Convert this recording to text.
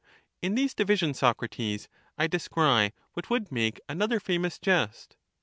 In these divisions, Socrates, I ^egcry what would make another famous jest. Y.